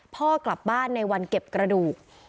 พ่อกลับบ้านในวันเก็บกระดูก